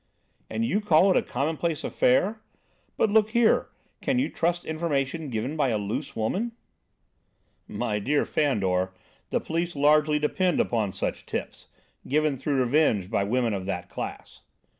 "And you call it a commonplace affair? But, look here, can you trust information given by a loose woman?" "My dear Fandor, the police largely depend upon such tips, given through revenge by women of that class."